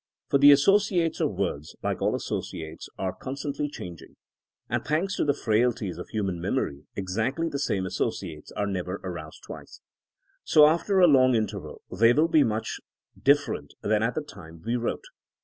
For the associates of words, like all associates, are con stantly changing; and thanks to the frailties of human memory exactly the same associates are never aroused twice. So after a long interval they will be much different than at the time we wrote.